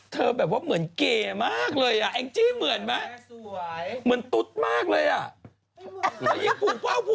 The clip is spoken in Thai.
แบบว่าเหมือนเก๋มากเลยอ่ะแองจี้เหมือนไหมเหมือนตุ๊ดมากเลยอ่ะ